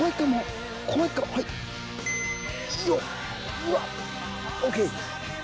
うわ！ＯＫ。